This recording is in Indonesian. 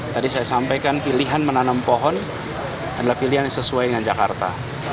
tadi saya sampaikan pilihan menanam pohon adalah pilihan yang sesuai dengan jakarta